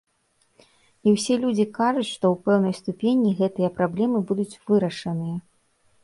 І ўсе людзі кажуць, што ў пэўнай ступені гэтыя праблемы будуць вырашаныя.